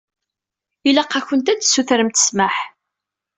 Ilaq-akent ad tsutremt ssmaḥ.